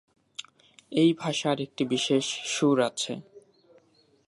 এই ভাষার একটি বিশেষ সুর আছে।